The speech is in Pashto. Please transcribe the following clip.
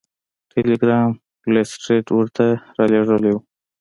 ټیلګرام لیسټرډ ورته رالیږلی و.